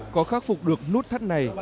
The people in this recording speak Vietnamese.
có khắc phục được nút thắt này